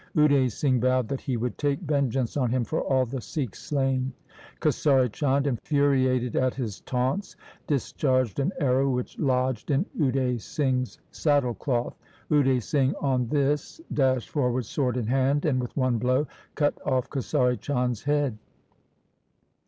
Ude Singh vowed that he would take vengeance on him for all the Sikhs slain. Kesari Chand, infuriated at his taunts, discharged an arrow which lodged in Ude Singh's saddle cloth. Ude Singh on this dashed forward sword in hand, and with one blow cut off Kesari Chand's head.